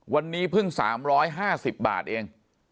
วันนี้เพิ่ง๓๕๐บาทเอง